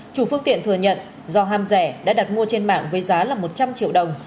chủ phương tiện thừa nhận do ham rẻ đã đặt mua trên mạng với giá là một trăm linh triệu đồng